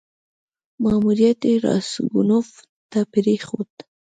ماموریت یې راسګونوف ته پرېښود.